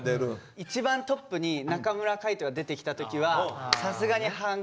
一番トップに中村海人が出てきた時はさすがにハンカチをこう。